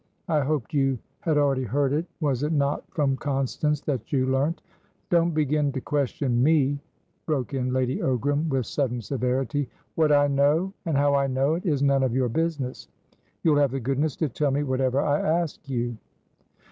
I hoped you had already heard it. Was it not from Constance that you learnt?" "Don't begin to question me," broke in Lady Ogram, with sudden severity. "What I know, and how I know it, is none of your business. You'll have the goodness to tell me whatever I ask you."